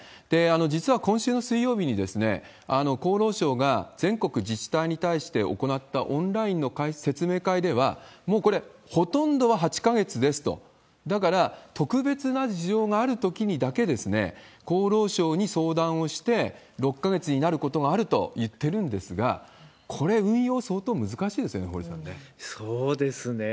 実は今週の水曜日に、厚労省が全国自治体に対して行ったオンラインの説明会では、もうこれ、ほとんどは８か月ですと、だから、特別な事情があるときにだけ、厚労省に相談をして、６か月になることはあるといっているんですが、これ、運用、相当難しいですよね、堀さん、そうですね。